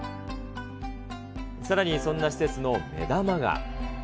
さらにそんな施設の目玉が。